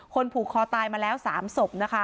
คนผูกคอตายมาแล้ว๓ศพ